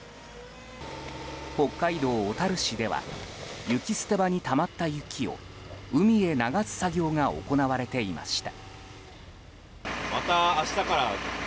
北海道小樽市では雪捨て場にたまった雪を海へ流す作業が行われていました。